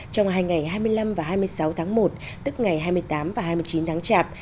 trong hai ngày hai mươi năm và hai mươi sáu tháng một tức ngày hai mươi tám và hai mươi chín tháng chạp